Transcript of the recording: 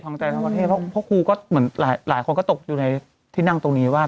ใจทั้งประเทศเพราะครูก็เหมือนหลายคนก็ตกอยู่ในที่นั่งตรงนี้ว่า